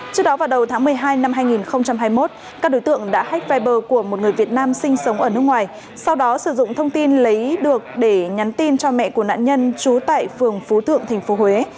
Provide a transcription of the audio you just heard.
trước đó vào đầu tháng một mươi hai năm hai nghìn hai mươi một các đối tượng đã hách viber của một người việt nam sinh sống ở nước ngoài sau đó sử dụng thông tin lấy được để nhắn tin cho mẹ của nạn nhân trú tại phường phú thượng tp huế